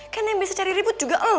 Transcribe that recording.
kan yang bisa cari ribut juga oh